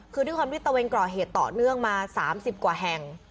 คือด้วยความที่ตะเวนก่อเหตุต่อเนื่องมา๓๐กว่าแห่ง